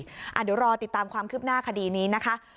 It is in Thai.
เดี๋ยวรอติดตามความคืบหน้าคดีนี้นะคะ